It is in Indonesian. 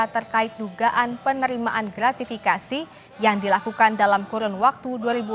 terkait dugaan penerimaan gratifikasi yang dilakukan dalam kurun waktu dua ribu empat belas dua ribu dua puluh tiga